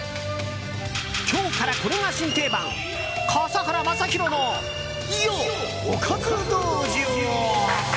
今日からこれが新定番笠原将弘のおかず道場。